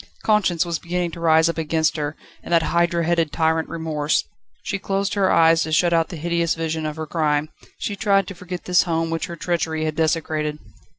Conscience was beginning to rise up against her, and that hydra headed tyrant Remorse. She closed her eyes to shut out the hideous vision of her crime; she tried to forget this home which her treachery had desecrated.